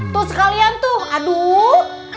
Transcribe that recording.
tuh sekalian tuh aduh